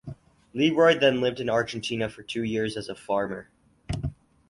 Learoyd then lived in Argentina for two years as a farmer.